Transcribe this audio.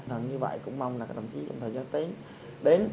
thật như vậy cũng mong là các đồng chí trong thời gian tới đến